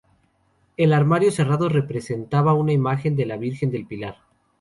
El armario cerrado presentaba una imagen de la Virgen del Pilar.